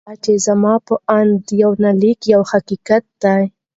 بل دا چې زما په اند یونلیک یو حقیقت دی.